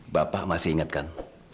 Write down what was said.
bapak masih ingatkan